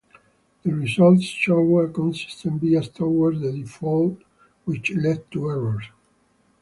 The results showed a consistent bias towards the default, which led to errors.